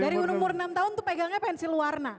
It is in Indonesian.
dari umur enam tahun tuh pegangnya pensil warna